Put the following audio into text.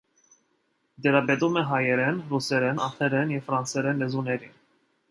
Տիրապետում է հայերեն, ռուսերեն, անգլերեն և ֆրանսերեն լեզուներին։